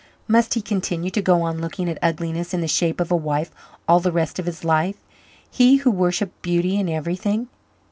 Must he continue to go on looking at ugliness in the shape of a wife all the rest of his life he, who worshipped beauty in everything?